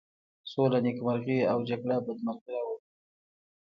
سوله نېکمرغي او جگړه بدمرغي راولي.